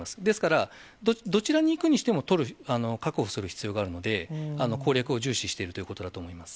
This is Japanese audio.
ですから、どちらに行くにしても、確保する必要があるので、攻略を重視しているということだと思い